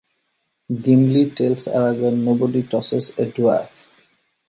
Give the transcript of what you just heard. Gimli tells Aragorn, Nobody tosses a dwarf!